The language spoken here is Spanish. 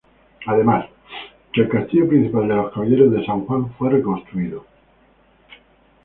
Además, el castillo principal de los caballeros de San Juan fue reconstruido.